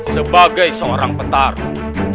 sebagai seorang petarung